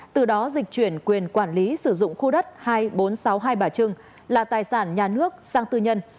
từ đó dịch chuyển quyền quản lý sử dụng khu đất hai nghìn bốn trăm sáu mươi hai bà trưng là tài sản nhà nước sang tư nhân